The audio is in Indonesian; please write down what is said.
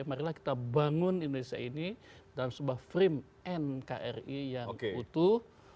marilah kita bangun indonesia ini dalam sebuah frame nkri yang utuh